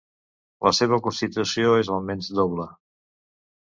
La seva constitució és almenys doble.